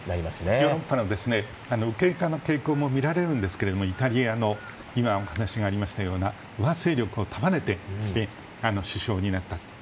ヨーロッパの右傾化の傾向もみられるんですがイタリアの今話がありましたような右派勢力を束ねて首相になったと。